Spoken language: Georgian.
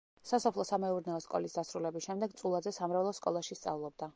სასოფლო-სამეურნეო სკოლის დასრულების შემდეგ წულაძე სამრევლო სკოლაში სწავლობდა.